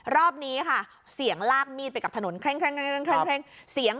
รอบนี้ค่ะเหมือนเสียงลากมีดไปกับถนน